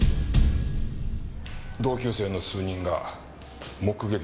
同級生の数人が目撃してたよ。